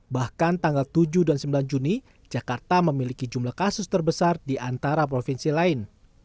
bahkan tanggal tujuh dan sembilan juni jakarta memiliki jumlah kasus terbesar di antara provinsi lain